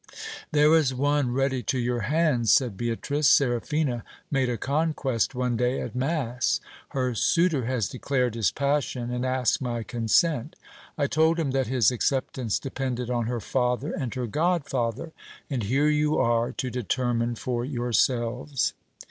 There is one ready to your hands, said Beatrice. Seraphina made a conquest one day at mass. Her suitor has declared his passion, and asked my consent. I told him that his acceptance depended on her father and her god father ; and here you are to determine for yourselves.